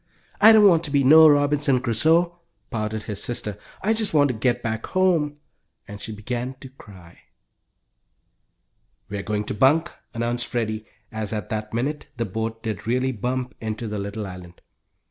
"I don't want to be no Robinson Crusoe!" pouted his sister. "I just want to get back home," and she began to cry. "We're going to bunk," announced Freddie, as at that minute the boat did really bump into the little island.